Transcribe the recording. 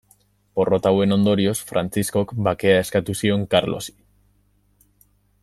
Porrota hauen ondorioz, Frantziskok bakea eskatu zion Karlosi.